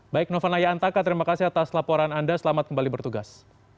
baik nova naya antaka terima kasih atas laporan anda selamat kembali bertugas